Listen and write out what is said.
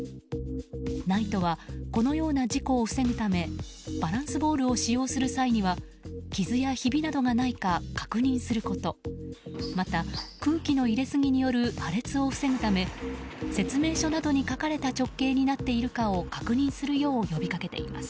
ＮＩＴＥはこのような事故を防ぐためバランスボールを使用する際には傷やひびなどがないか確認することまた、空気の入れすぎによる破裂を防ぐため説明書などに書かれた直径になっているかを確認するよう呼びかけています。